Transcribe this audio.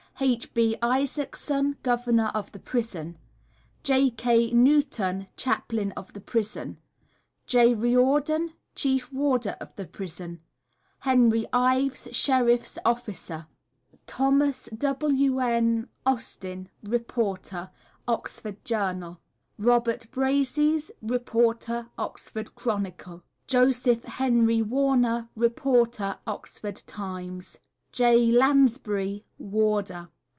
H. B. ISAACSON, Governor of the Prison. J. K. NEWTON, Chaplain of the Prison. J. RIORDON, Chief Warder of the Prison. HENRY IVES, Sheriff's Officer. THOS. WM. AUSTIN, Reporter, Oxford Journal. ROBERT BRAZIES, Reporter, Oxford Chronicle. JOSEPH HENRY WARNER, Reporter, Oxford Times. J. LANSBURY, Warder.